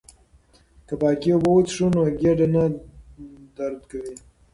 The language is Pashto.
که پاکې اوبه وڅښو نو ګېډه نه درد کوي.